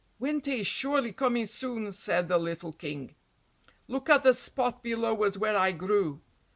"Winter is surely coming soon," said the little King. "Look at the spot below us where I grew."